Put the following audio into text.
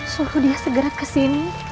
suruh dia segera kesini